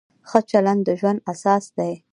ښه چلند د ژوند اساس دی.